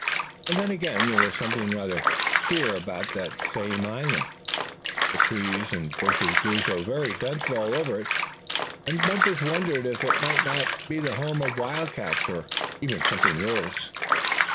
And then again, there was something rather queer about that same island; the trees and bushes grew so very dense all over it, and Bumpus wondered if it might not be the home of wildcats, or even something worse.